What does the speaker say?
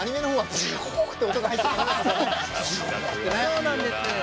そうなんです。